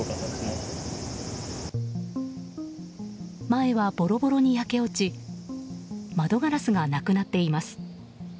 前はボロボロに焼け落ち窓ガラスがなくなっています。